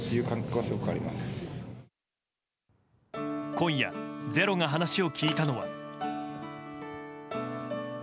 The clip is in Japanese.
今夜「ｚｅｒｏ」が話を聞いたのは。